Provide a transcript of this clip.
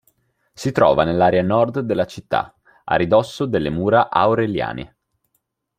Si trova nell'area nord della città, a ridosso delle mura aureliane.